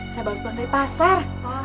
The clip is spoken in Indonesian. saya baru pulang dari pasar